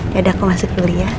yaudah aku masuk dulu ya